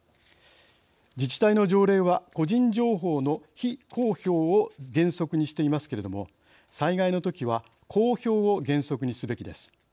自治体の条例は個人情報の非公表を原則にしていますけれども災害のときは公表を原則にすべきです。